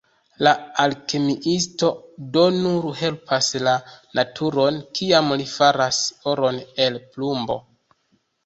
La alkemiisto do nur helpas la naturon, kiam li faras oron el plumbo.